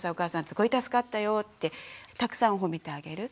すごい助かったよってたくさん褒めてあげる。